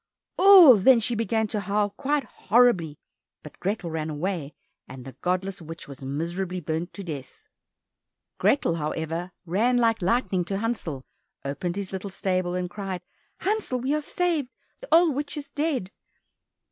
Oh! then she began to howl quite horribly, but Grethel ran away, and the godless witch was miserably burnt to death. Grethel, however, ran like lightning to Hansel, opened his little stable, and cried, "Hansel, we are saved! The old witch is dead!"